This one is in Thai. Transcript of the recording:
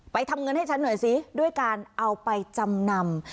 ทำเงินให้ฉันหน่อยสิด้วยการเอาไปจำนำ